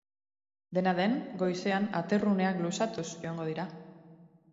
Dena den, goizean aterruneak luzatuz joango dira.